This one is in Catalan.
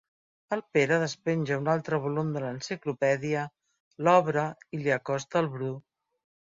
El Pere despenja un altre volum de l'enciclopèdia, l'obre i li acosta al Bru.